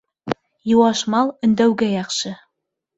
Йыуаш мал өндәүгә яҡшы.